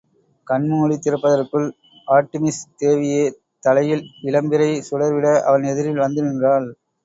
கண் மூடித் திறப்பதற்குள் ஆர்ட்டிமிஸ் தேவியே தலையில் இளம்பிறை சுடர்விட, அவன் எதிரில் வந்து நின்றாள்.